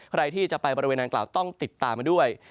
ใครที่จะไปบริเวณนางกล่าวต้องติดตามมาด้วย